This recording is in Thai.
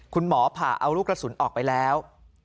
คุณหมอผ่าเอาลูกกระสุนออกไปแล้ว